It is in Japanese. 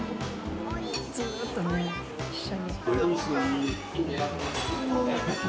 ずっとね一緒に。